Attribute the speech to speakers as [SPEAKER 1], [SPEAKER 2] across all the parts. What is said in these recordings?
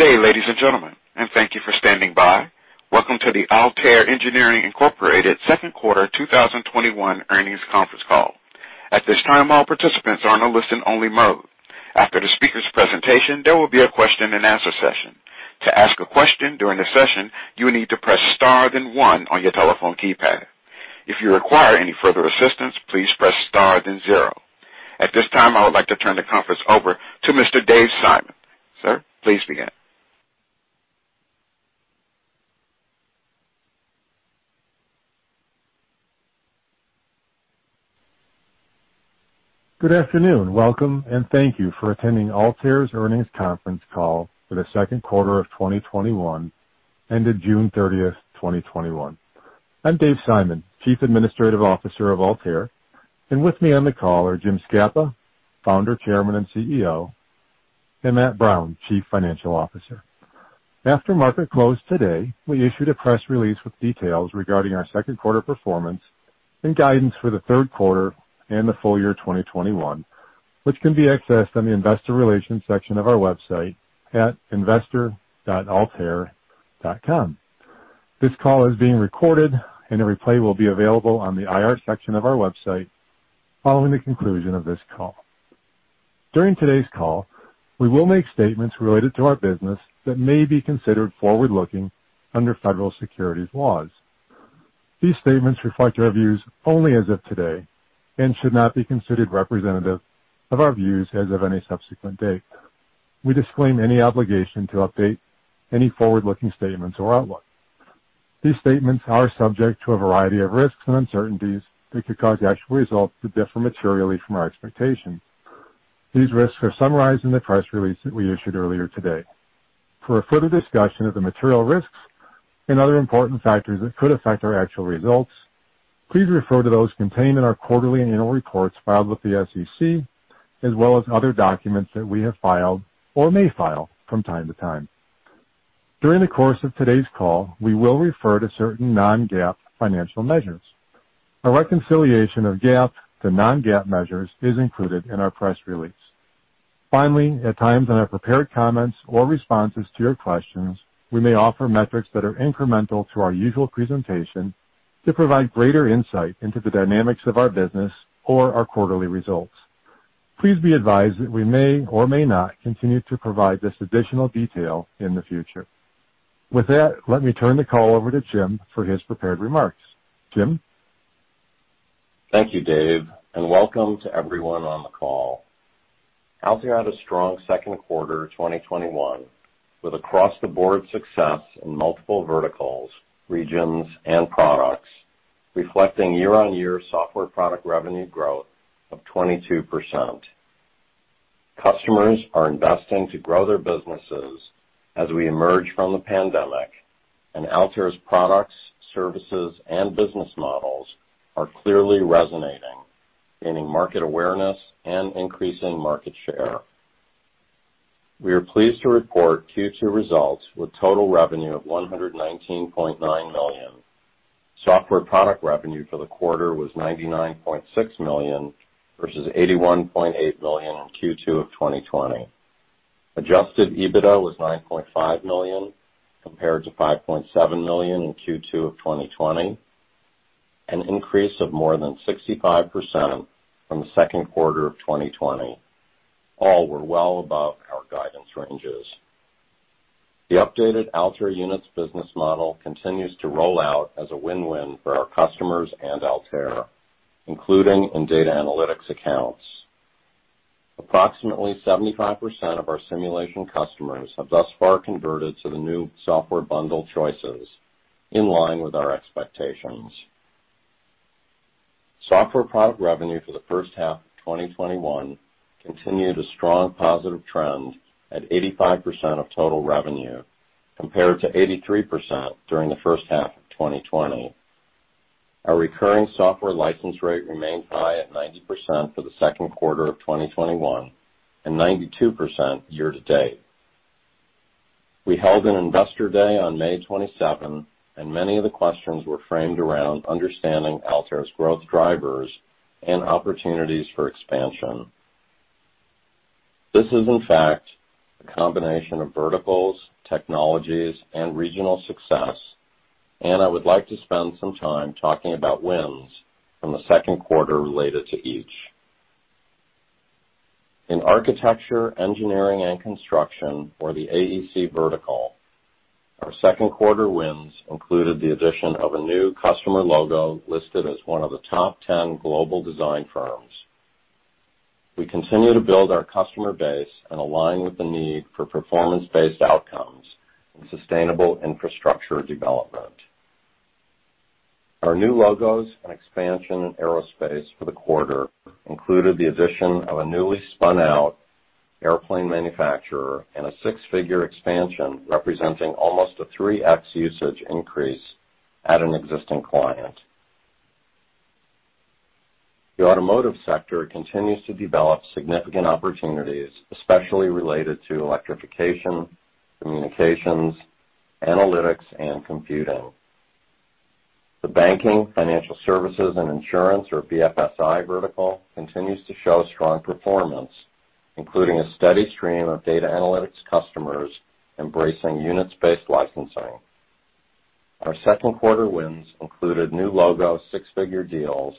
[SPEAKER 1] Good day, ladies and gentlemen, and thank you for standing by. Welcome to the Altair Engineering Inc. Q2 2021 earnings conference call. At this time, all participants are in a listen-only mode. After the speaker's presentation, there will be a question and answer session. To ask a question during the session, you will need to press star and one on your telephone keypad. If you require any further assistance, please press star and zero. At this time, I would like to turn the conference over to Mr. Dave Simon. Sir, please begin.
[SPEAKER 2] Good afternoon, welcome and thank you for attending Altair's earnings conference call for the Q2 of 2021 ended June 30th, 2021. I'm Dave Simon, Chief Administrative Officer of Altair, and with me on the call are James Scapa, Founder, Chairman, and CEO, and Matthew Brown, Chief Financial Officer. After market close today, we issued a press release with details regarding our Q2 performance and guidance for the Q3 and the full year 2021, which can be accessed on the investor relations section of our website at investor.altair.com. This call is being recorded and a replay will be available on the IR section of our website following the conclusion of this call. During today's call, we will make statements related to our business that may be considered forward-looking under federal securities laws. These statements reflect our views only as of today and should not be considered representative of our views as of any subsequent date. We disclaim any obligation to update any forward-looking statements or outlook. These statements are subject to a variety of risks and uncertainties that could cause actual results to differ materially from our expectations. These risks are summarized in the press release that we issued earlier today. For a further discussion of the material risks and other important factors that could affect our actual results, please refer to those contained in our quarterly and annual reports filed with the SEC, as well as other documents that we have filed or may file from time to time. During the course of today's call, we will refer to certain non-GAAP financial measures. A reconciliation of GAAP to non-GAAP measures is included in our press release. Finally, at times in our prepared comments or responses to your questions, we may offer metrics that are incremental to our usual presentation to provide greater insight into the dynamics of our business or our quarterly results. Please be advised that we may or may not continue to provide this additional detail in the future. With that, let me turn the call over to James for his prepared remarks. James?
[SPEAKER 3] Thank you, Dave, and welcome to everyone on the call. Altair had a strong Q2 2021 with across the board success in multiple verticals, regions, and products, reflecting year-on-year software product revenue growth of 22%. Customers are investing to grow their businesses as we emerge from the pandemic and Altair's products, services, and business models are clearly resonating, gaining market awareness and increasing market share. We are pleased to report Q2 results with total revenue of $119.9 million. Software product revenue for the quarter was $99.6 million versus $81.8 million in Q2 of 2020. Adjusted EBITDA was $9.5 million compared to $5.7 million in Q2 of 2020, an increase of more than 65% from the Q2 of 2020. All were well above our guidance ranges. The updated Altair Units business model continues to roll out as a win-win for our customers and Altair, including in data analytics accounts. Approximately 75% of our simulation customers have thus far converted to the new software bundle choices in line with our expectations. Software product revenue for the first half of 2021 continued a strong positive trend at 85% of total revenue, compared to 83% during the first half of 2020. Our recurring software license rate remained high at 90% for the Q2 of 2021 and 92% year to date. We held an investor day on May 27th, and many of the questions were framed around understanding Altair's growth drivers and opportunities for expansion. This is in fact, a combination of verticals, technologies, and regional success, and I would like to spend some time talking about wins from the Q2 related to each. In architecture, engineering, and construction, or the AEC vertical, our Q2 wins included the addition of a new customer logo listed as one of the top 10 global design firms. We continue to build our customer base and align with the need for performance-based outcomes and sustainable infrastructure development. Our new logos and expansion in aerospace for the quarter included the addition of a newly spun out airplane manufacturer and a six-figure expansion representing almost a 3x usage increase at an existing client. The automotive sector continues to develop significant opportunities, especially related to electrification, communications, analytics, and computing. The BFSI vertical continues to show strong performance, including a steady stream of data analytics customers embracing units-based licensing. Our Q2 wins included new logo six-figure deals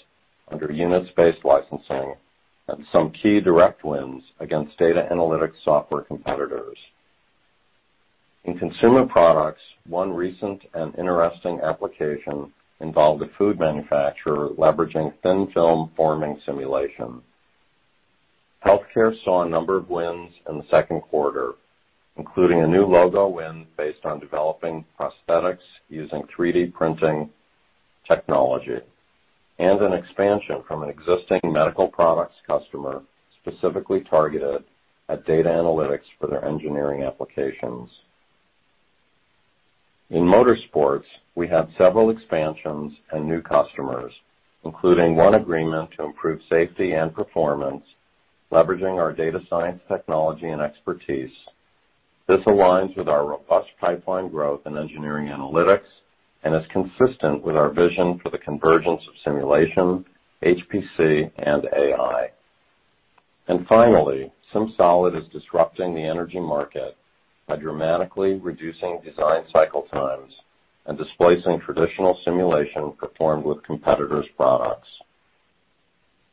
[SPEAKER 3] under units-based licensing and some key direct wins against data analytics software competitors. In consumer products, one recent and interesting application involved a food manufacturer leveraging thin film forming simulation. Healthcare saw a number of wins in the Q2, including a new logo win based on developing prosthetics using 3D printing technology, and an expansion from an existing medical products customer specifically targeted at data analytics for their engineering applications. In motorsports, we had several expansions and new customers, including one agreement to improve safety and performance, leveraging our data science technology and expertise. This aligns with our robust pipeline growth in engineering analytics and is consistent with our vision for the convergence of simulation, HPC, and AI. Finally, SimSolid is disrupting the energy market by dramatically reducing design cycle times and displacing traditional simulation performed with competitors' products.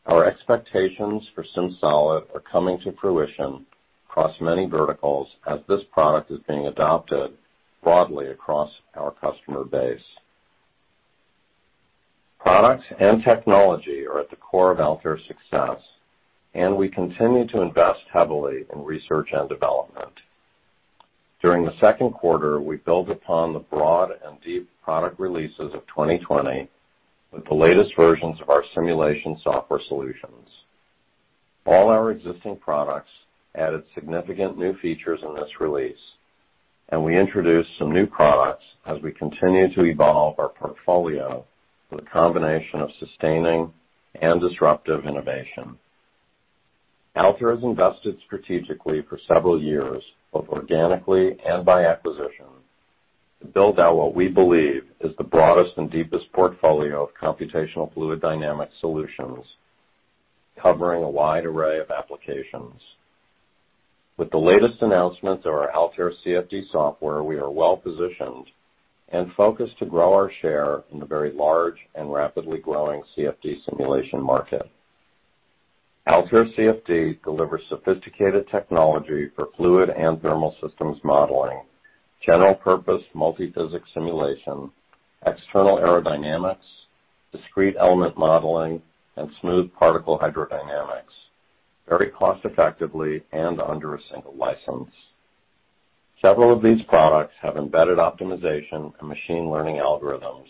[SPEAKER 3] Our expectations for SimSolid are coming to fruition across many verticals as this product is being adopted broadly across our customer base. Products and technology are at the core of Altair's success, and we continue to invest heavily in research and development. During the Q2, we built upon the broad and deep product releases of 2020 with the latest versions of our simulation software solutions. All our existing products added significant new features in this release, and we introduced some new products as we continue to evolve our portfolio with a combination of sustaining and disruptive innovation. Altair has invested strategically for several years, both organically and by acquisition, to build out what we believe is the broadest and deepest portfolio of computational fluid dynamics solutions, covering a wide array of applications. With the latest announcements of our Altair CFD software, we are well-positioned and focused to grow our share in the very large and rapidly growing CFD simulation market. Altair CFD delivers sophisticated technology for fluid and thermal systems modeling, general-purpose multi-physics simulation, external aerodynamics, discrete element modeling, and smooth particle hydrodynamics, very cost-effectively and under a single license. Several of these products have embedded optimization and machine learning algorithms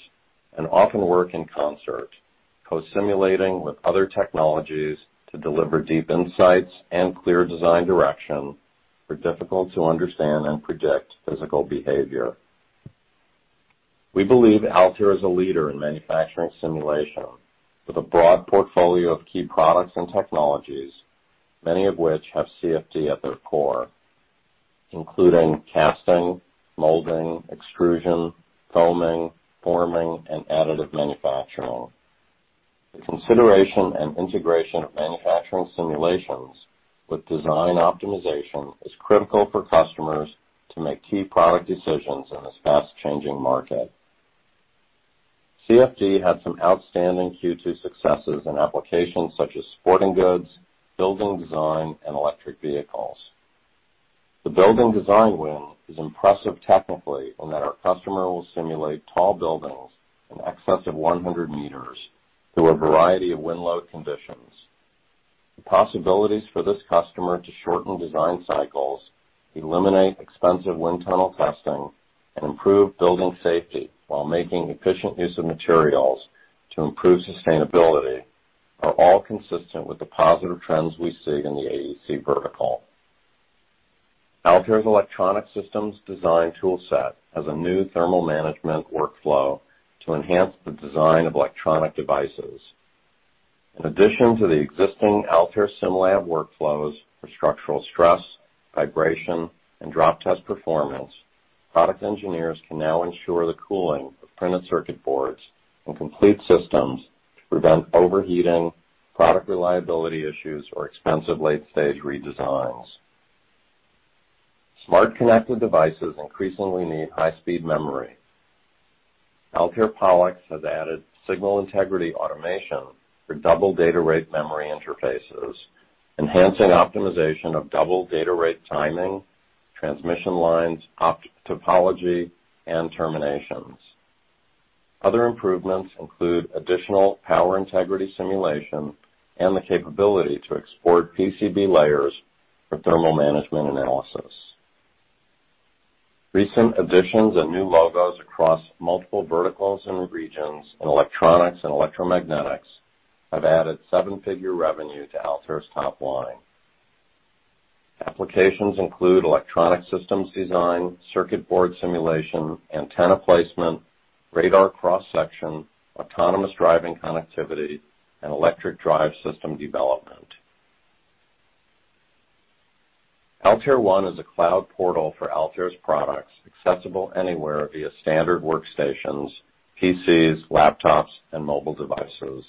[SPEAKER 3] and often work in concert, co-simulating with other technologies to deliver deep insights and clear design direction for difficult-to-understand and predict physical behavior. We believe Altair is a leader in manufacturing simulation with a broad portfolio of key products and technologies, many of which have CFD at their core, including casting, molding, extrusion, foaming, forming, and additive manufacturing. The consideration and integration of manufacturing simulations with design optimization is critical for customers to make key product decisions in this fast-changing market. CFD had some outstanding Q2 successes in applications such as sporting goods, building design, and electric vehicles. The building design win is impressive technically in that our customer will simulate tall buildings in excess of 100 m through a variety of wind load conditions. The possibilities for this customer to shorten design cycles, eliminate expensive wind tunnel testing, and improve building safety while making efficient use of materials to improve sustainability are all consistent with the positive trends we see in the AEC vertical. Altair's electronic systems design toolset has a new thermal management workflow to enhance the design of electronic devices. In addition to the existing Altair SimLab workflows for structural stress, vibration, and drop test performance, product engineers can now ensure the cooling of printed circuit boards and complete systems to prevent overheating, product reliability issues, or expensive late-stage redesigns. Smart connected devices increasingly need high-speed memory. Altair PollEx has added signal integrity automation for double data rate memory interfaces, enhancing optimization of double data rate timing, transmission lines, topology, and terminations. Other improvements include additional power integrity simulation and the capability to export PCB layers for thermal management analysis. Recent additions and new logos across multiple verticals and regions in electronics and electromagnetics have added seven-figure revenue to Altair's top line. Applications include electronic systems design, circuit board simulation, antenna placement, radar cross-section, autonomous driving connectivity, and electric drive system development. Altair One is a cloud portal for Altair's products, accessible anywhere via standard workstations, PCs, laptops, and mobile devices.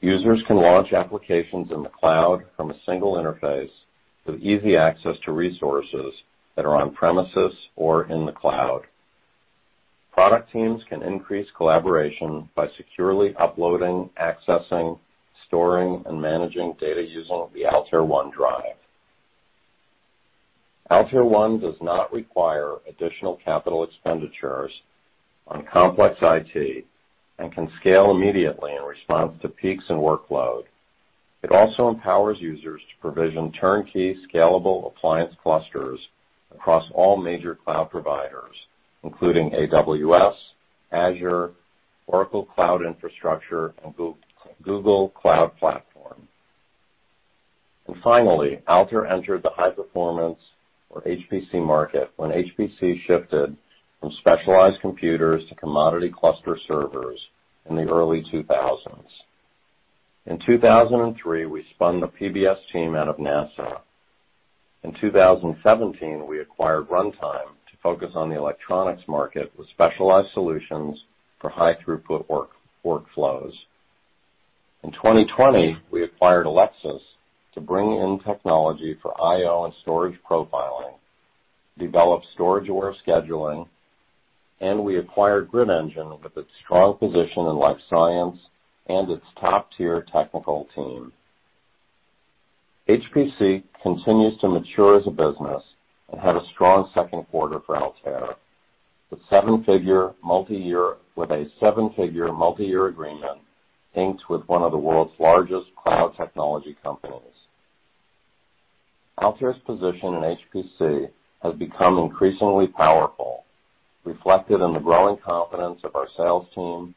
[SPEAKER 3] Users can launch applications in the cloud from a single interface with easy access to resources that are on premises or in the cloud. Product teams can increase collaboration by securely uploading, accessing, storing, and managing data using the Altair One Drive. Finally, Altair entered the high-performance, or HPC, market when HPC shifted from specialized computers to commodity cluster servers in the early 2000s. In 2003, we spun the PBS team out of NASA. In 2017, we acquired Runtime to focus on the electronics market with specialized solutions for high throughput workflows. In 2020, we acquired Ellexus to bring in technology for IO and storage profiling, develop storage-aware scheduling, and we acquired Grid Engine with its strong position in life science and its top-tier technical team. HPC continues to mature as a business and had a strong Q2 for Altair. With a $7-figure multi-year agreement inked with one of the world's largest cloud technology companies. Altair's position in HPC has become increasingly powerful, reflected in the growing confidence of our sales team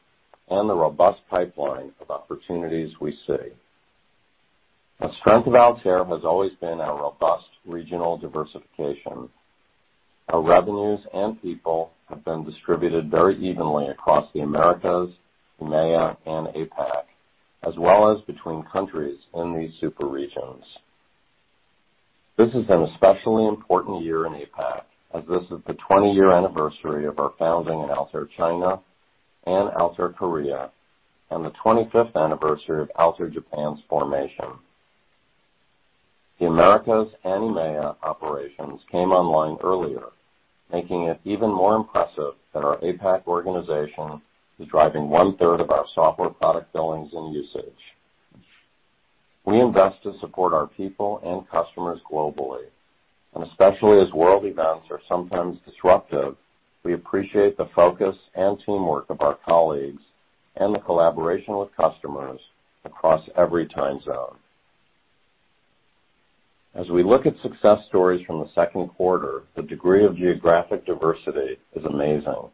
[SPEAKER 3] and the robust pipeline of opportunities we see. A strength of Altair has always been our robust regional diversification. Our revenues and people have been distributed very evenly across the Americas, EMEA, and APAC, as well as between countries in these super regions. This has been an especially important year in APAC, as this is the 20-year anniversary of our founding in Altair China and Altair Korea, and the 25th anniversary of Altair Japan's formation. The Americas and EMEA operations came online earlier, making it even more impressive that our APAC organization is driving 1/3 of our software product billings and usage. We invest to support our people and customers globally, and especially as world events are sometimes disruptive, we appreciate the focus and teamwork of our colleagues and the collaboration with customers across every time zone. As we look at success stories from the Q2, the degree of geographic diversity is amazing.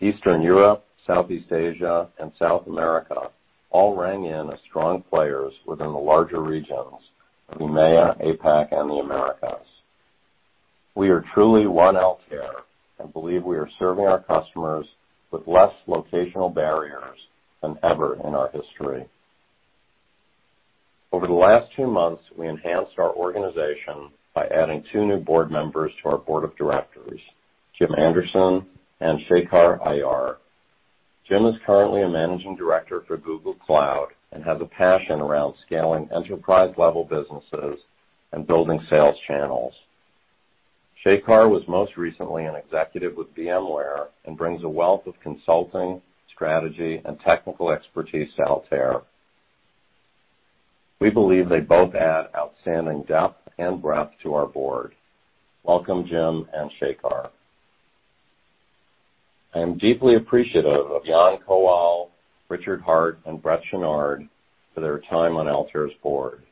[SPEAKER 3] Eastern Europe, Southeast Asia, and South America all rang in as strong players within the larger regions of EMEA, APAC, and the Americas. We are truly One Altair and believe we are serving our customers with less locational barriers than ever in our history. Over the last two months, we enhanced our organization by adding two new board members to our board of directors, Jim F. Anderson and Shekar Ayyar. Jim F. Anderson is currently a managing director for Google Cloud and has a passion around scaling enterprise-level businesses and building sales channels. Shekar was most recently an executive with VMware and brings a wealth of consulting, strategy, and technical expertise to Altair. We believe they both add outstanding depth and breadth to our board. Welcome, Jim and Shekar. I am deeply appreciative of Jan Kowal, Richard Hart, and Brett Chouinard for their time on Altair's board.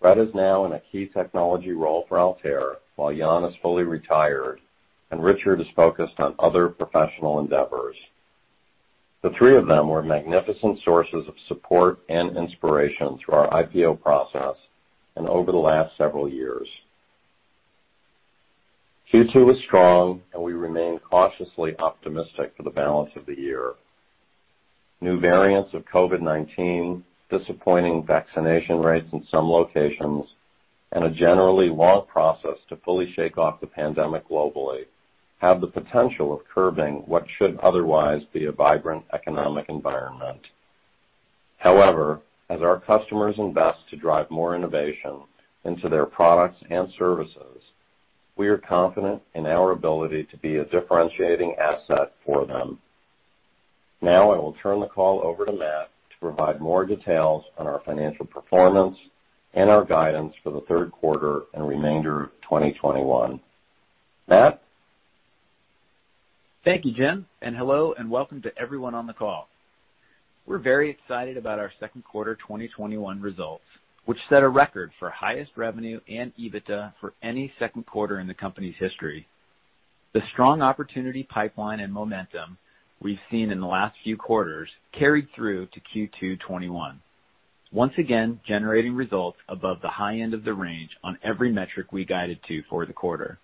[SPEAKER 3] Brett is now in a key technology role for Altair, while Jan is fully retired and Richard is focused on other professional endeavors. The three of them were magnificent sources of support and inspiration through our IPO process and over the last several years. Q2 was strong, and we remain cautiously optimistic for the balance of the year. New variants of COVID-19, disappointing vaccination rates in some locations, and a generally long process to fully shake off the pandemic globally have the potential of curbing what should otherwise be a vibrant economic environment. However, as our customers invest to drive more innovation into their products and services, we are confident in our ability to be a differentiating asset for them. Now, I will turn the call over to Matt to provide more details on our financial performance and our guidance for the Q3 and remainder of 2021. Matt?
[SPEAKER 4] Thank you, James Scapa, hello and welcome to everyone on the call. We're very excited about our Q2 2021 results, which set a record for highest revenue and EBITDA for any Q2 in the company's history. The strong opportunity pipeline and momentum we've seen in the last few quarters carried through to Q2 2021, once again, generating results above the high end of the range on every metric we guided to for the quarter.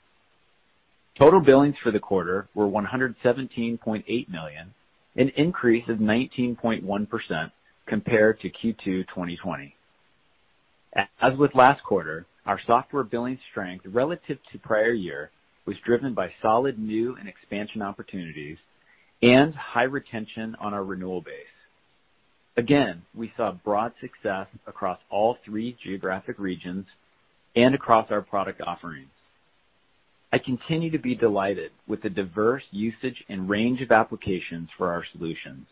[SPEAKER 4] Total billings for the quarter were $117.8 million, an increase of 19.1% compared to Q2 2020. As with last quarter, our software billing strength relative to prior year was driven by solid new and expansion opportunities and high retention on our renewal base. Again, we saw broad success across all three geographic regions and across our product offerings. I continue to be delighted with the diverse usage and range of applications for our solutions.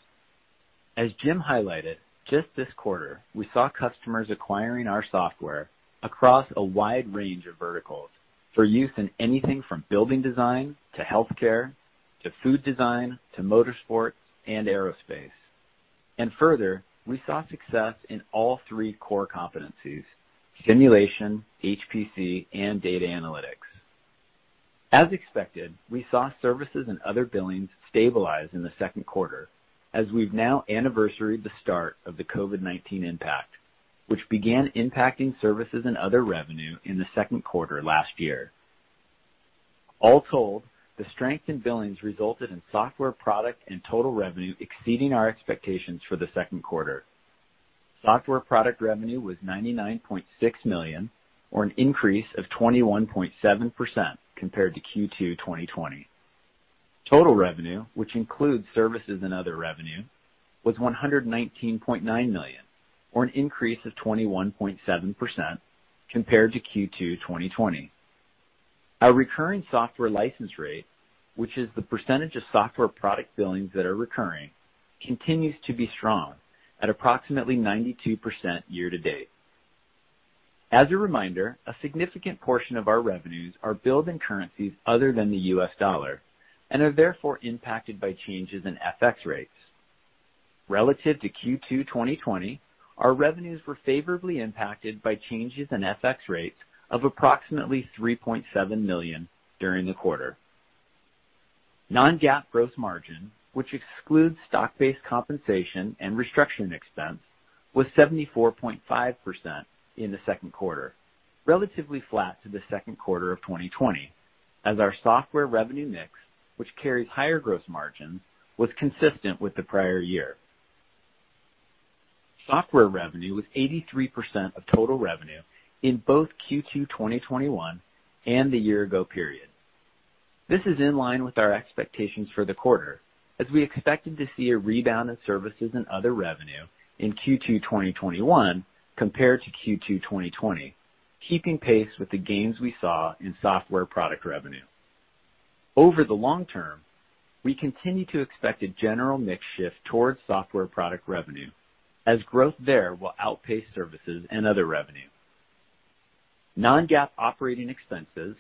[SPEAKER 4] As James R. Scapa highlighted, just this quarter, we saw customers acquiring our software across a wide range of verticals for use in anything from building design to healthcare, to food design, to motorsports and aerospace. Further, we saw success in all 3 core competencies: simulation, HPC, and data analytics. As expected, we saw services and other billings stabilize in the Q2 as we've now anniversaries the start of the COVID-19 impact, which began impacting services and other revenue in the Q2 last year. All told, the strength in billings resulted in software product and total revenue exceeding our expectations for the Q2. Software product revenue was $99.6 million, or an increase of 21.7% compared to Q2 2020. Total revenue, which includes services and other revenue, was $119.9 million, or an increase of 21.7% compared to Q2 2020. Our recurring software license rate, which is the percentage of software product billings that are recurring, continues to be strong at approximately 92% year to date. As a reminder, a significant portion of our revenues are billed in currencies other than the U.S. dollar and are therefore impacted by changes in FX rates. Relative to Q2 2020, our revenues were favorably impacted by changes in FX rates of approximately $3.7 million during the quarter. non-GAAP gross margin, which excludes stock-based compensation and restructuring expense, was 74.5% in the Q2, relatively flat to the Q2 of 2020, as our software revenue mix, which carries higher gross margins, was consistent with the prior year. Software revenue was 83% of total revenue in both Q2 2021 and the year ago period. This is in line with our expectations for the quarter as we expected to see a rebound in services and other revenue in Q2 2021 compared to Q2 2020, keeping pace with the gains we saw in software product revenue. Over the long term, we continue to expect a general mix shift towards software product revenue as growth there will outpace services and other revenue. non-GAAP operating expenses,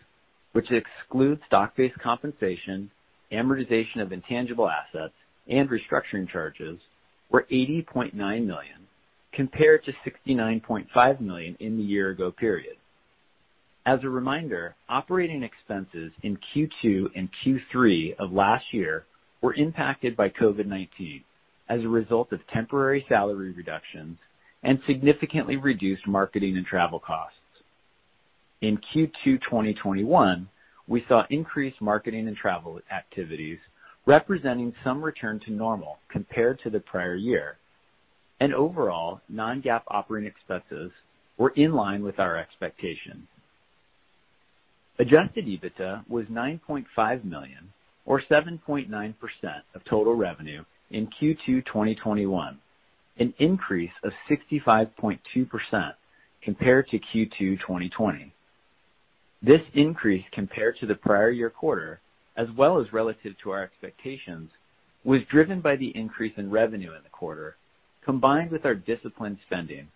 [SPEAKER 4] which excludes stock-based compensation, amortization of intangible assets, and restructuring charges, were $80.9 million, compared to $69.5 million in the year ago period. As a reminder, operating expenses in Q2 and Q3 of last year were impacted by COVID-19 as a result of temporary salary reductions and significantly reduced marketing and travel costs. In Q2 2021, we saw increased marketing and travel activities representing some return to normal compared to the prior year, and overall non-GAAP operating expenses were in line with our expectations. Adjusted EBITDA was $9.5 million or 7.9% of total revenue in Q2 2021, an increase of 65.2% compared to Q2 2020. This increase compared to the prior year quarter as well as relative to our expectations, was driven by the increase in revenue in the quarter, combined with our disciplined spending.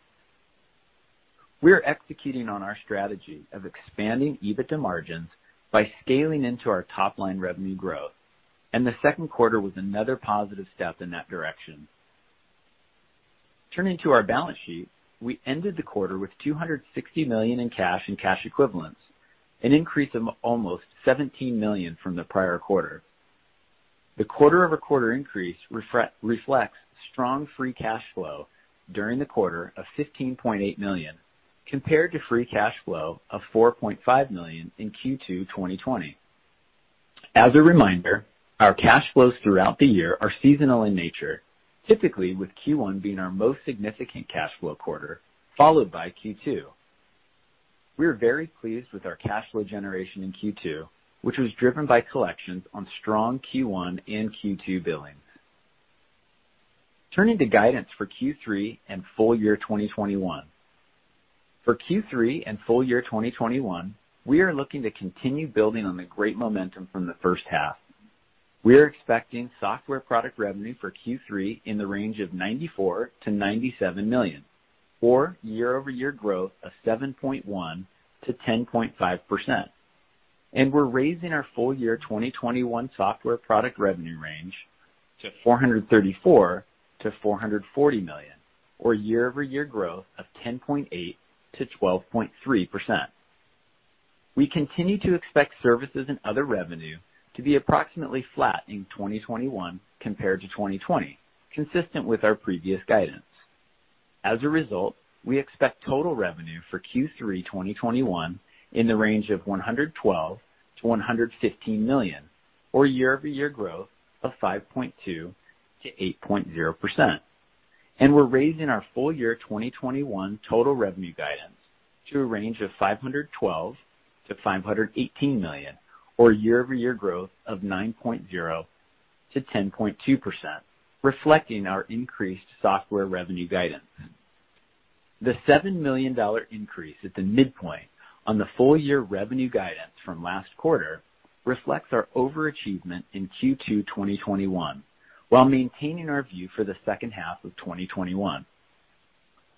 [SPEAKER 4] We are executing on our strategy of expanding EBITDA margins by scaling into our top-line revenue growth, and the Q2 was another positive step in that direction. Turning to our balance sheet, we ended the quarter with $260 million in cash and cash equivalents, an increase of almost $17 million from the prior quarter. The quarter-over-quarter increase reflects strong free cash flow during the quarter of $15.8 million, compared to free cash flow of $4.5 million in Q2 2020. As a reminder, our cash flows throughout the year are seasonal in nature, typically with Q1 being our most significant cash flow quarter, followed by Q2. We are very pleased with our cash flow generation in Q2, which was driven by collections on strong Q1 and Q2 billings. Turning to guidance for Q3 and full year 2021. For Q3 and full year 2021, we are looking to continue building on the great momentum from the first half. We are expecting software product revenue for Q3 in the range of $94 million-$97 million, or year-over-year growth of 7.1%-10.5%, and we're raising our full year 2021 software product revenue range to $434 million-$440 million, or year-over-year growth of 10.8%-12.3%. We continue to expect services and other revenue to be approximately flat in 2021 compared to 2020, consistent with our previous guidance. As a result, we expect total revenue for Q3 2021 in the range of $112 million-$115 million, or year-over-year growth of 5.2%-8.0%. We're raising our full year 2021 total revenue guidance to a range of $512 million-$518 million, or year-over-year growth of 9.0%-10.2%, reflecting our increased software revenue guidance. The $7 million increase at the midpoint on the full-year revenue guidance from last quarter reflects our overachievement in Q2 2021, while maintaining our view for the second half of 2021.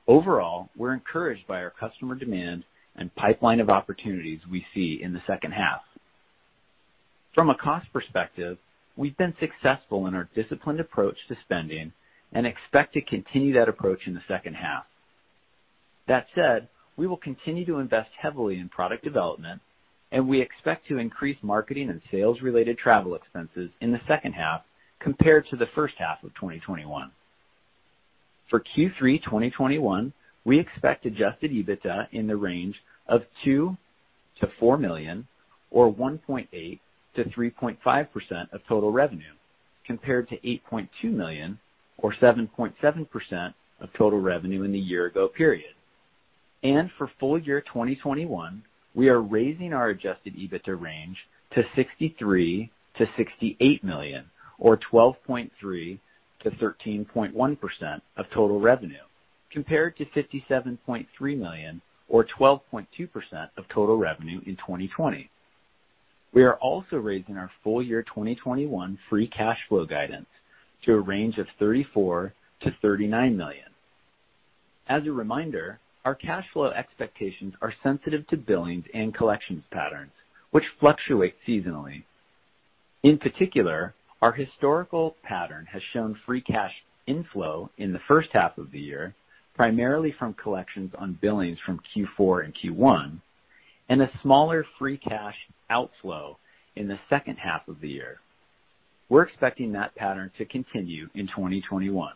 [SPEAKER 4] Overall, we're encouraged by our customer demand and pipeline of opportunities we see in the second half. From a cost perspective, we've been successful in our disciplined approach to spending and expect to continue that approach in the second half. That said, we will continue to invest heavily in product development, and we expect to increase marketing and sales-related travel expenses in the second half compared to the first half of 2021. For Q3 2021, we expect adjusted EBITDA in the range of $2 million-$4 million or 1.8%-3.5% of total revenue, compared to $8.2 million or 7.7% of total revenue in the year ago period. For full year 2021, we are raising our adjusted EBITDA range to $63 million-$68 million or 12.3%-13.1% of total revenue, compared to $57.3 million or 12.2% of total revenue in 2020. We are also raising our full year 2021 free cash flow guidance to a range of $34 million-$39 million. As a reminder, our cash flow expectations are sensitive to billings and collections patterns, which fluctuate seasonally. In particular, our historical pattern has shown free cash inflow in the first half of the year, primarily from collections on billings from Q4 and Q1, and a smaller free cash outflow in the second half of the year. We're expecting that pattern to continue in 2021.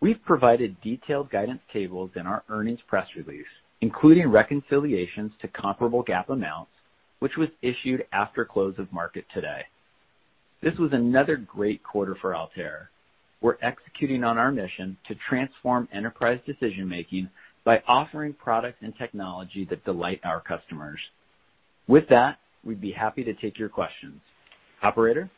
[SPEAKER 4] We've provided detailed guidance tables in our earnings press release, including reconciliations to comparable GAAP amounts, which was issued after close of market today. This was another great quarter for Altair. We're executing on our mission to transform enterprise decision-making by offering product and technology that delight our customers. With that, we'd be happy to take your questions. Operator?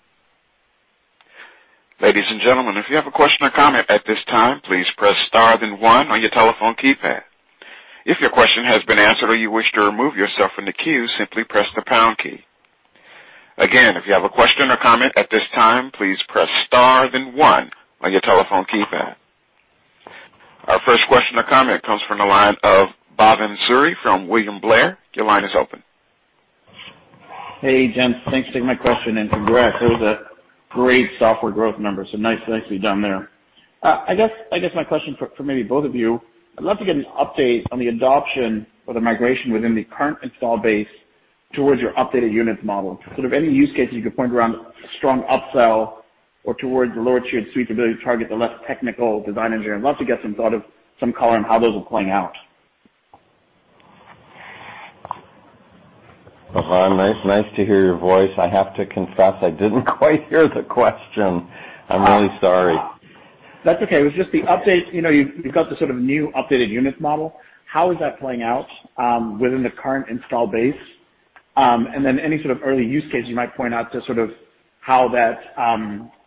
[SPEAKER 1] Ladies and gentlemen, if you have a question or comment at this time, please press star then one on your telephone keypad. If your question has been answered or you wish to remove yourself from the queue, simply press the pound key. Again, if you have a question or comment at this time, please press star then one on your telephone keypad. Our first question or comment comes from the line of Bhavan Suri from William Blair. Your line is open.
[SPEAKER 5] Hey, gents. Thanks for taking my question, and congrats. Those are great software growth numbers, so nicely done there. I guess my question for maybe both of you, I'd love to get an update on the adoption or the migration within the current install base towards your updated Units model. Sort of any use cases you could point around strong upsell or towards the lower tiered suite's ability to target the less technical design engineer. I'd love to get some thought of some color on how those are playing out.
[SPEAKER 3] Bhavan, nice to hear your voice. I have to confess I didn't quite hear the question. I'm really sorry.
[SPEAKER 5] That's okay. It was just the update. You've got the sort of new updated Altair Units model. How is that playing out within the current install base? Any sort of early use case you might point out to sort of how that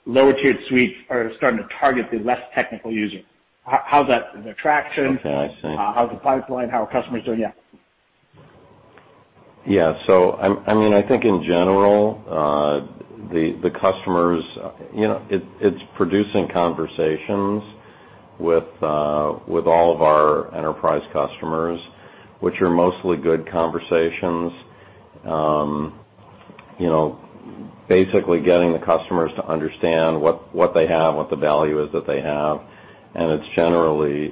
[SPEAKER 5] lower tiered suites are starting to target the less technical user, how's the traction?
[SPEAKER 3] Okay. I see.
[SPEAKER 5] How's the pipeline, how are customers doing? Yeah.
[SPEAKER 3] Yeah. I think in general, the customers, it's producing conversations with all of our enterprise customers, which are mostly good conversations. Basically getting the customers to understand what they have, what the value is that they have, and it's generally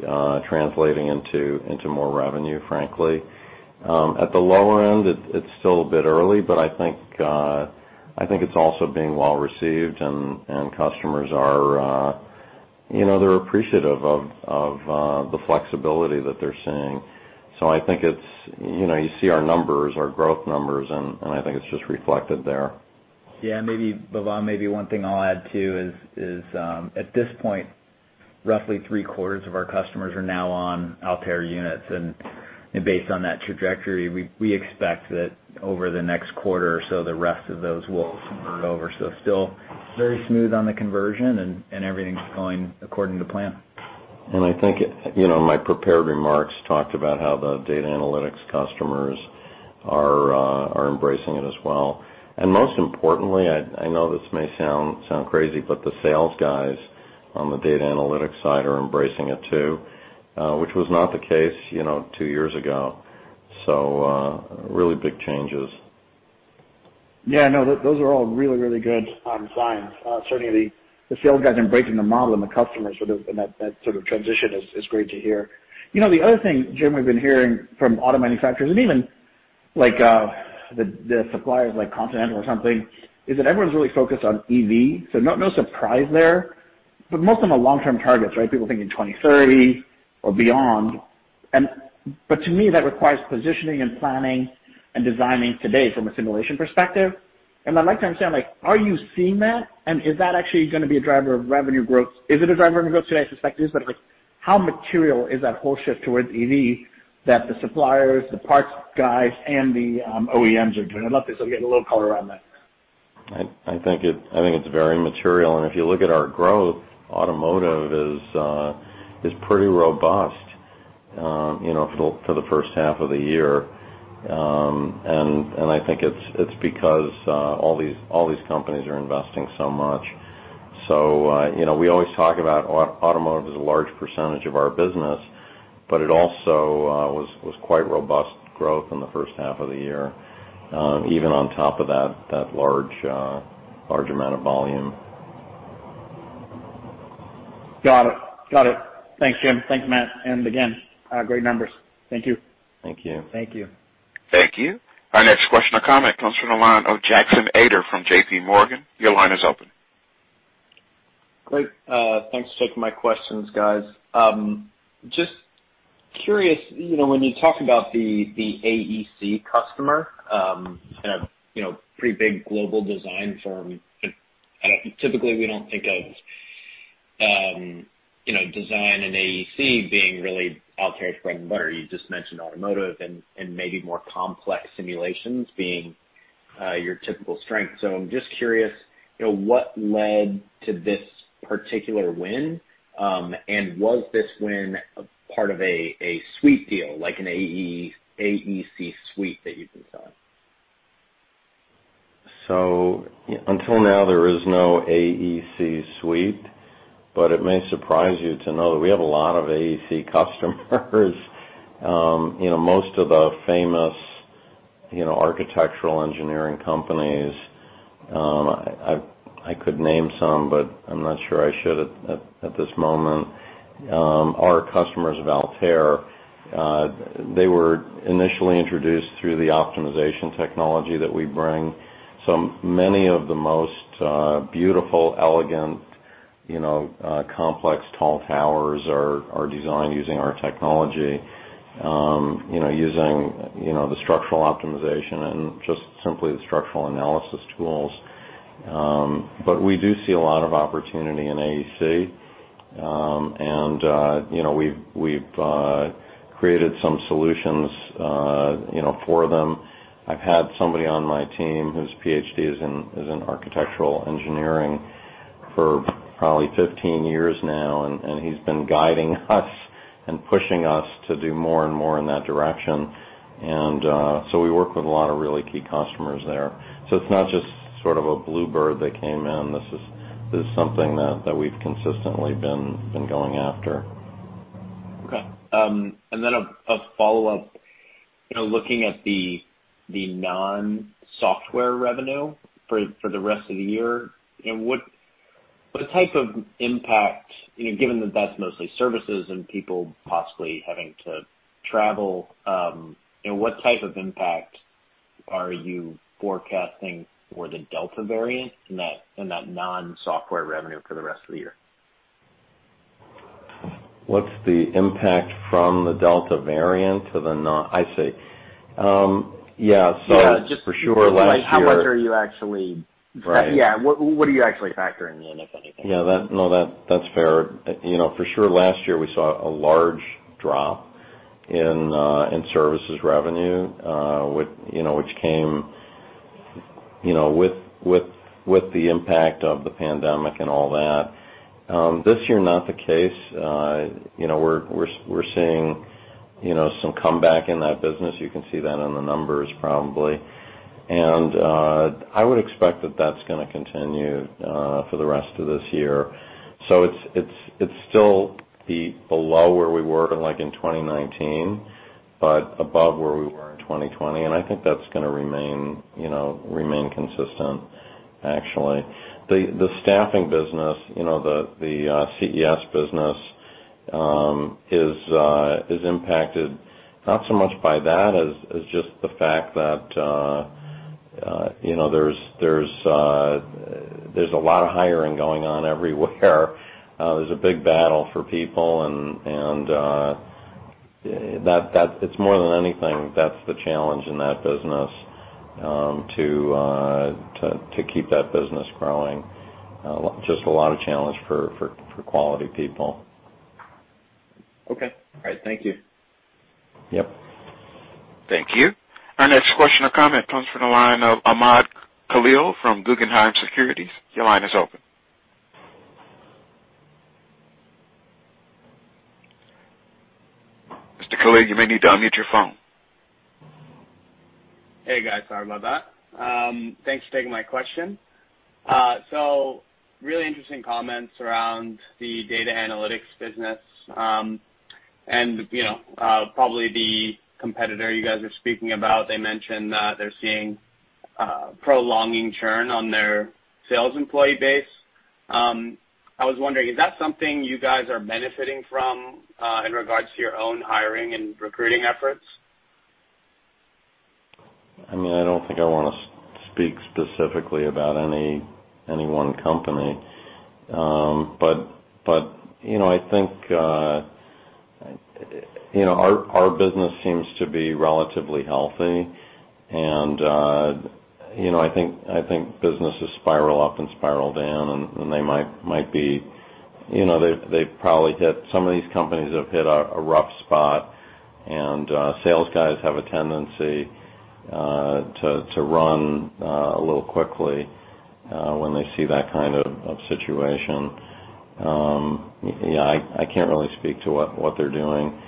[SPEAKER 3] translating into more revenue, frankly. At the lower end, it's still a bit early, but I think it's also being well-received and customers are appreciative of the flexibility that they're seeing. I think you see our numbers, our growth numbers, and I think it's just reflected there.
[SPEAKER 4] Yeah. Bhavan, maybe one thing I'll add, too, is at this point, roughly three-quarters of our customers are now on Altair Units. Based on that trajectory, we expect that over the next quarter or so, the rest of those will convert over. Still very smooth on the conversion and everything's going according to plan.
[SPEAKER 3] I think my prepared remarks talked about how the data analytics customers are embracing it as well. Most importantly, I know this may sound crazy, but the sales guys on the data analytics side are embracing it, too, which was not the case two years ago. Really big changes.
[SPEAKER 5] Yeah, no, those are all really, really good signs. Certainly, the sales guys embracing the model and the customers and that sort of transition is great to hear. The other thing, James, we've been hearing from auto manufacturers and even the suppliers like Continental or something, is that everyone's really focused on EV. No surprise there. Most of them are long-term targets, right? People are thinking 2030 or beyond. To me, that requires positioning and planning and designing today from a simulation perspective. I'd like to understand, are you seeing that and is that actually going to be a driver of revenue growth? Is it a driver of revenue growth today? I suspect it is. How material is that whole shift towards EV that the suppliers, the parts guys, and the OEMs are doing? I'd love to get a little color around that.
[SPEAKER 3] I think it's very material. If you look at our growth, automotive is pretty robust for the first half of the year. I think it's because all these companies are investing so much. We always talk about automotive as a large percentage of our business, but it also was quite robust growth in the first half of the year, even on top of that large amount of volume.
[SPEAKER 5] Got it. Thanks, James. Thanks, Matthew. Again, great numbers. Thank you.
[SPEAKER 3] Thank you.
[SPEAKER 1] Thank you. Our next question or comment comes from the line of Jackson Ader from JPMorgan. Your line is open.
[SPEAKER 6] Great. Thanks for taking my questions, guys. Just curious, when you talk about the AEC customer, pretty big global design firm. Typically, we don't think of design and AEC being really Altair's bread and butter. You just mentioned automotive and maybe more complex simulations being your typical strength. I'm just curious, what led to this particular win? Was this win part of a suite deal, like an AEC suite that you've been selling?
[SPEAKER 3] Until now, there is no AEC suite, but it may surprise you to know that we have a lot of AEC customers. Most of the famous architectural engineering companies, I could name some, but I'm not sure I should at this moment, are customers of Altair. They were initially introduced through the optimization technology that we bring. Many of the most beautiful, elegant, complex tall towers are designed using our technology, using the structural optimization and just simply the structural analysis tools. We do see a lot of opportunity in AEC. We've created some solutions for them. I've had somebody on my team whose PhD is in architectural engineering for probably 15 years now, and he's been guiding us and pushing us to do more and more in that direction. We work with a lot of really key customers there. It's not just sort of a blue bird that came in. This is something that we've consistently been going after.
[SPEAKER 6] Okay. A follow-up. Looking at the non-software revenue for the rest of the year, what type of impact, given that's mostly services and people possibly having to travel, what type of impact are you forecasting for the Delta variant in that non-software revenue for the rest of the year?
[SPEAKER 3] What's the impact from the Delta variant to the? I see.
[SPEAKER 6] Yeah.
[SPEAKER 3] For sure, last year.
[SPEAKER 6] How much are you actually-
[SPEAKER 3] Right.
[SPEAKER 6] Yeah. What are you actually factoring in, if anything?
[SPEAKER 3] Yeah. No, that's fair. For sure, last year we saw a large drop in services revenue, which came with the impact of the pandemic and all that. This year, not the case. We're seeing some comeback in that business. You can see that in the numbers, probably. I would expect that that's going to continue for the rest of this year. It's still below where we were in 2019, but above where we were in 2020, and I think that's going to remain consistent, actually. The staffing business, the CES business, is impacted not so much by that as just the fact that there's a lot of hiring going on everywhere. There's a big battle for people, and it's more than anything, that's the challenge in that business to keep that business growing. Just a lot of challenge for quality people.
[SPEAKER 6] Okay. All right. Thank you.
[SPEAKER 3] Yep.
[SPEAKER 1] Thank you. Our next question or comment comes from the line of Ken Wong from Guggenheim Securities. Your line is open. Mr. Ken, you may need to unmute your phone.
[SPEAKER 7] Hey, guys. Sorry about that. Thanks for taking my question. Really interesting comments around the data analytics business. Probably the competitor you guys are speaking about, they mentioned they're seeing prolonging churn on their sales employee base. I was wondering, is that something you guys are benefiting from in regards to your own hiring and recruiting efforts?
[SPEAKER 3] I don't think I want to speak specifically about any one company. I think our business seems to be relatively healthy, and I think businesses spiral up and spiral down, and some of these companies have hit a rough spot, and sales guys have a tendency to run a little quickly when they see that kind of situation. I can't really speak to what they're doing.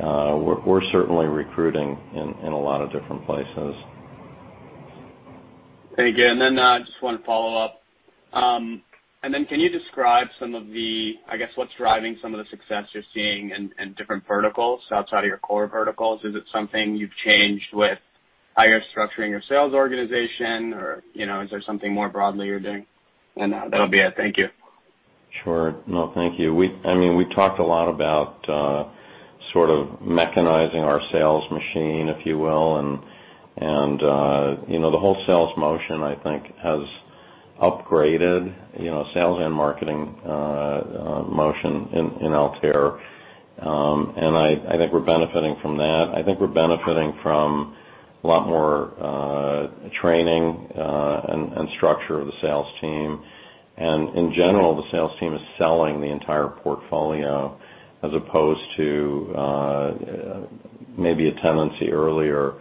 [SPEAKER 3] We're certainly recruiting in a lot of different places.
[SPEAKER 7] Thank you. I just want to follow up. Can you describe some of the, I guess, what's driving some of the success you're seeing in different verticals outside of your core verticals? Is it something you've changed with how you're structuring your sales organization, or is there something more broadly you're doing? That'll be it. Thank you.
[SPEAKER 3] Sure. No, thank you. We talked a lot about mechanizing our sales machine, if you will. The whole sales motion, I think, has upgraded sales and marketing motion in Altair. I think we're benefiting from that. I think we're benefiting from a lot more training and structure of the sales team. In general, the sales team is selling the entire portfolio as opposed to maybe a tendency earlier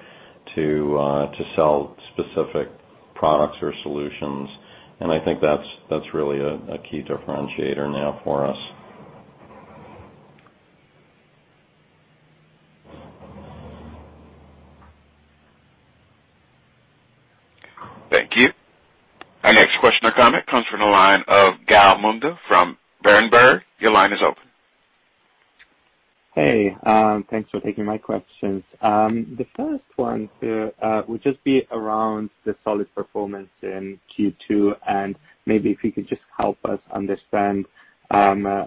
[SPEAKER 3] to sell specific products or solutions. I think that's really a key differentiator now for us.
[SPEAKER 1] Thank you. Our next question or comment comes from the line of Gal Munda from Berenberg. Your line is open.
[SPEAKER 8] Hey, thanks for taking my questions. The first one would just be around the solid performance in Q2, maybe if you could just help us understand by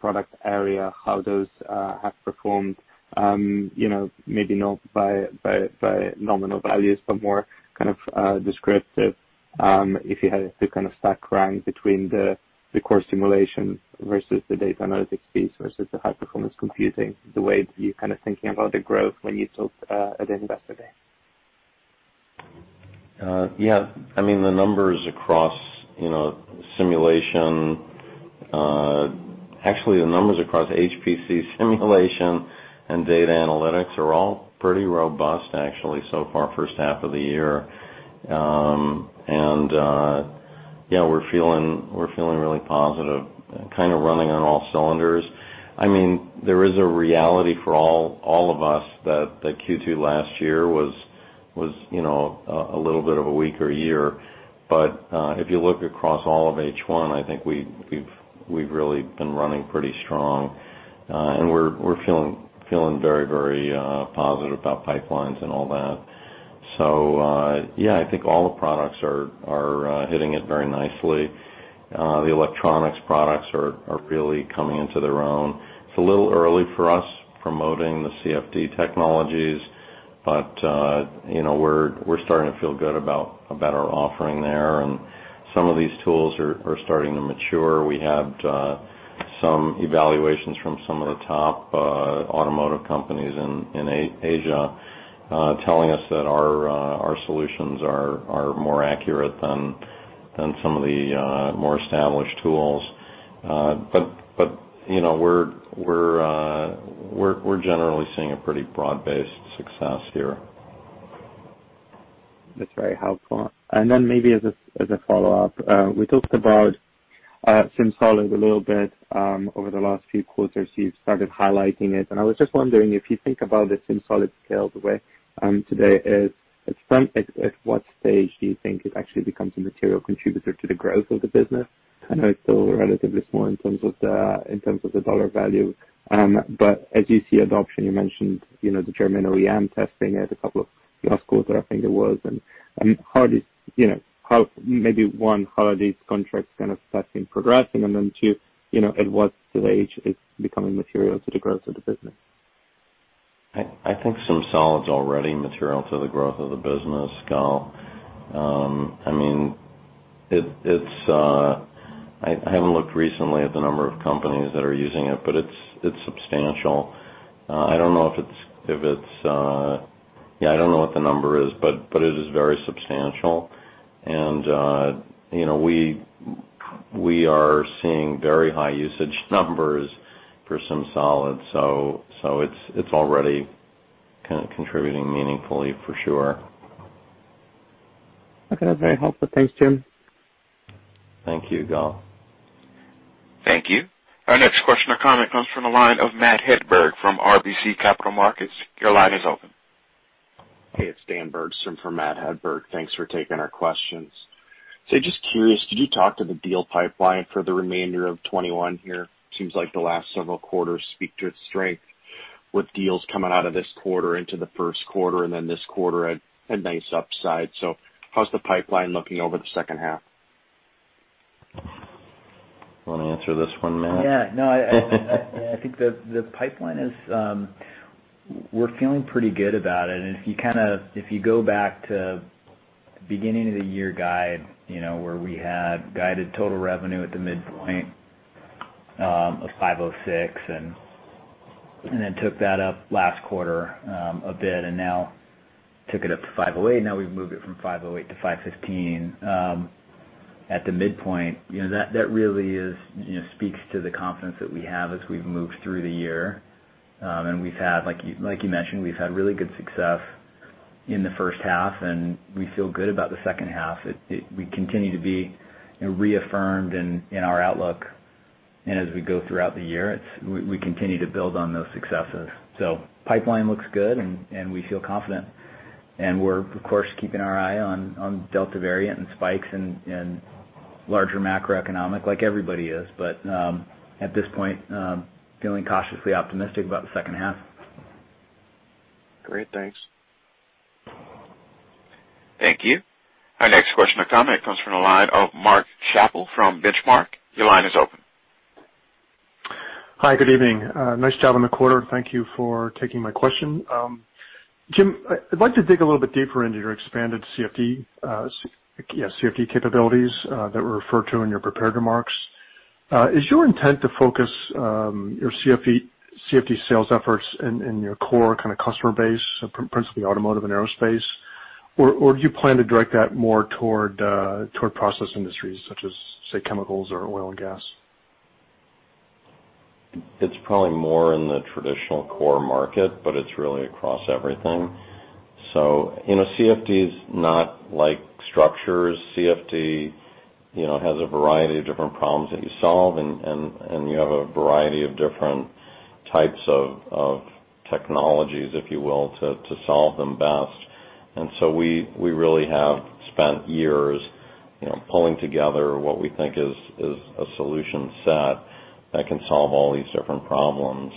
[SPEAKER 8] product area how those have performed, maybe not by nominal values, but more kind of descriptive if you had to kind of stack rank between the core simulation versus the data analytics piece versus the high-performance computing, the way that you're thinking about the growth when you talked at Investor Day.
[SPEAKER 3] Yeah. Actually, the numbers across HPC simulation and data analytics are all pretty robust actually so far first half of the year. We're feeling really positive, kind of running on all cylinders. There is a reality for all of us that Q2 last year was a little bit of a weaker year. If you look across all of H1, I think we've really been running pretty strong. We're feeling very positive about pipelines and all that. Yeah, I think all the products are hitting it very nicely. The electronics products are really coming into their own. It's a little early for us promoting the CFD technologies, but we're starting to feel good about our offering there, and some of these tools are starting to mature. We have some evaluations from some of the top automotive companies in Asia telling us that our solutions are more accurate than some of the more established tools. We're generally seeing a pretty broad-based success here.
[SPEAKER 8] That's very helpful. Then maybe as a follow-up, we talked about SimSolid a little bit. Over the last few quarters, you've started highlighting it, I was just wondering if you think about the SimSolid sales today, at what stage do you think it actually becomes a material contributor to the growth of the business? I know it's still relatively small in terms of the dollar value. As you see adoption, you mentioned the German OEM testing at a couple of last quarter, I think it was. Maybe, one, how are these contracts kind of testing progressing? Then two, at what stage it's becoming material to the growth of the business?
[SPEAKER 3] I think SimSolid's already material to the growth of the business, Gal. I haven't looked recently at the number of companies that are using it, but it's substantial. I don't know what the number is, but it is very substantial. We are seeing very high usage numbers for SimSolid. It's already kind of contributing meaningfully for sure.
[SPEAKER 8] Okay. That is very helpful. Thanks, James.
[SPEAKER 3] Thank you, Gal.
[SPEAKER 1] Thank you. Our next question or comment comes from the line of Matthew Hedberg from RBC Capital Markets. Your line is open.
[SPEAKER 9] Hey, it's Dan Bergstrom for Matthew Hedberg. Thanks for taking our questions. Just curious, could you talk to the deal pipeline for the remainder of 2021 here? Seems like the last several quarters speak to its strength. With deals coming out of this quarter into the Q1, and then this quarter had nice upside. How's the pipeline looking over the second half?
[SPEAKER 3] You want to answer this one, Matthew?
[SPEAKER 4] Yeah, no, I think the pipeline we're feeling pretty good about it. If you go back to beginning-of-the-year guide, where we had guided total revenue at the midpoint of $506 and then took that up last quarter a bit, and now took it up to $508. We've moved it from $508-$515 at the midpoint. That really speaks to the confidence that we have as we've moved through the year. We've had, like you mentioned, we've had really good success in the first half, and we feel good about the second half. We continue to be reaffirmed in our outlook. As we go throughout the year, we continue to build on those successes. The pipeline looks good, and we feel confident. We're, of course, keeping our eye on Delta variant and spikes and larger macroeconomic, like everybody is. At this point, feeling cautiously optimistic about the second half.
[SPEAKER 9] Great. Thanks.
[SPEAKER 1] Thank you. Our next question or comment comes from the line of Mark Schappel from Benchmark.
[SPEAKER 10] Hi, good evening. Nice job on the quarter. Thank you for taking my question. James, I'd like to dig a little bit deeper into your expanded CFD capabilities that were referred to in your prepared remarks. Is your intent to focus your CFD sales efforts in your core customer base, principally automotive and aerospace? Do you plan to direct that more toward process industries such as, say, chemicals or oil and gas?
[SPEAKER 3] It's probably more in the traditional core market, but it's really across everything. CFD is not like structures. CFD has a variety of different problems that you solve, and you have a variety of different types of technologies, if you will, to solve them best. We really have spent years pulling together what we think is a solution set that can solve all these different problems.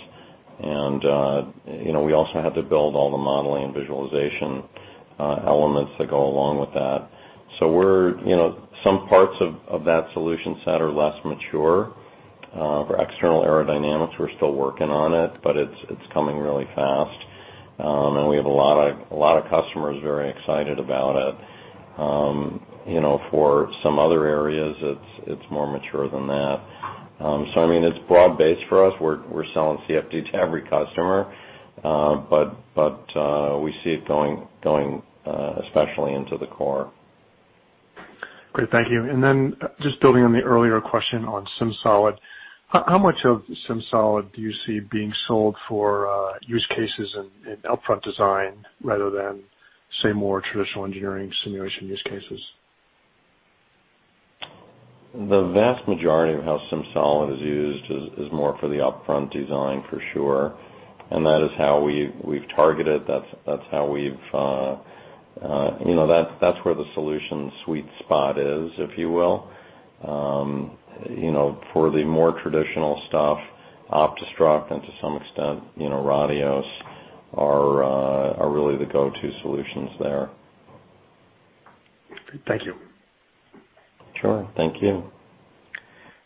[SPEAKER 3] We also had to build all the modeling and visualization elements that go along with that. Some parts of that solution set are less mature. For external aerodynamics, we're still working on it, but it's coming really fast. We have a lot of customers very excited about it. For some other areas, it's more mature than that. It's broad-based for us. We're selling CFD to every customer. We see it going especially into the core.
[SPEAKER 10] Great. Thank you. Just building on the earlier question on SimSolid. How much of SimSolid do you see being sold for use cases in upfront design rather than, say, more traditional engineering simulation use cases?
[SPEAKER 3] The vast majority of how SimSolid is used is more for the upfront design for sure. That is how we've targeted. That's where the solution sweet spot is, if you will. For the more traditional stuff, OptiStruct and to some extent, Radioss are really the go-to solutions there.
[SPEAKER 10] Thank you.
[SPEAKER 3] Sure. Thank you.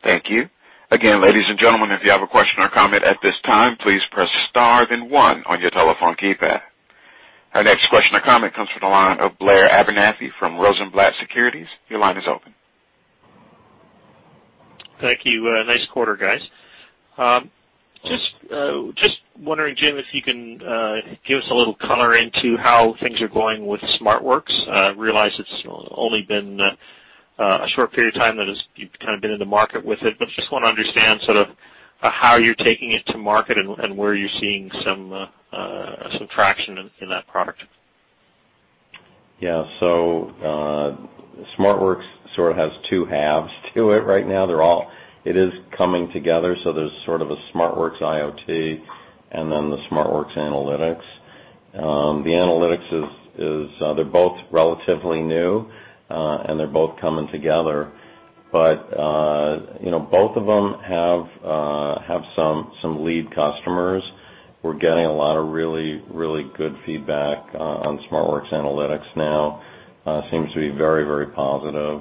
[SPEAKER 1] Thank you. Again, ladies and gentlemen, if you have a question or comment at this time, please press star then one on your telephone keypad. Our next question or comment comes from the line of Blair Abernethy from Rosenblatt Securities. Your line is open.
[SPEAKER 11] Thank you. Nice quarter, guys. Just wondering, James, if you can give us a little color into how things are going with SmartWorks. I realize it's only been a short period of time that you've been in the market with it, but just want to understand how you're taking it to market and where you're seeing some traction in that product.
[SPEAKER 3] SmartWorks sort of has two halves to it right now. It is coming together, there's sort of a SmartWorks IoT and then the SmartWorks Analytics. The analytics is, they're both relatively new, and they're both coming together. Both of them have some lead customers. We're getting a lot of really good feedback on SmartWorks Analytics now. Seems to be very positive.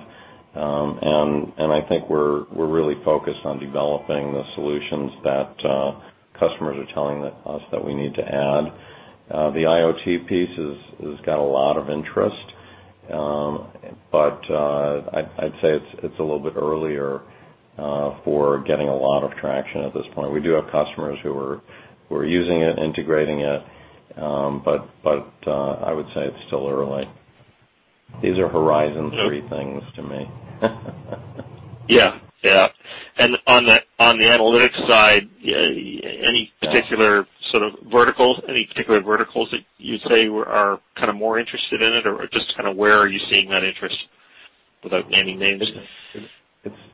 [SPEAKER 3] I think we're really focused on developing the solutions that customers are telling us that we need to add. The IoT piece has got a lot of interest. I'd say it's a little bit earlier for getting a lot of traction at this point. We do have customers who are using it, integrating it. I would say it's still early. These are horizon three things to me.
[SPEAKER 11] Yeah. On the analytics side, any particular verticals that you'd say are more interested in it? Just where are you seeing that interest, without naming names?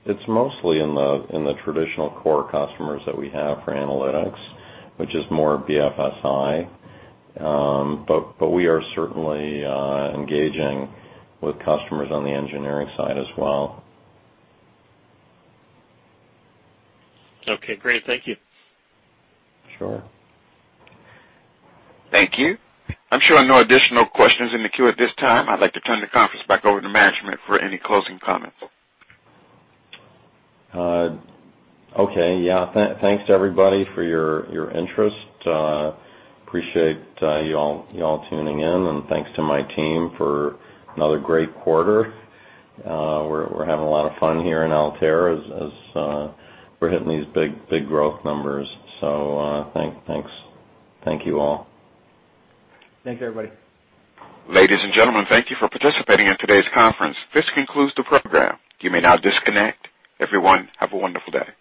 [SPEAKER 3] It's mostly in the traditional core customers that we have for analytics, which is more BFSI. We are certainly engaging with customers on the engineering side as well.
[SPEAKER 11] Okay, great. Thank you.
[SPEAKER 3] Sure.
[SPEAKER 1] Thank you. I'm showing no additional questions in the queue at this time. I'd like to turn the conference back over to management for any closing comments.
[SPEAKER 3] Okay. Yeah. Thanks to everybody for your interest. Appreciate you all tuning in, and thanks to my team for another great quarter. We're having a lot of fun here in Altair as we're hitting these big growth numbers. Thanks. Thank you all.
[SPEAKER 4] Thanks, everybody.
[SPEAKER 1] Ladies and gentlemen, thank you for participating in today's conference. This concludes the program. You may now disconnect. Everyone, have a wonderful day.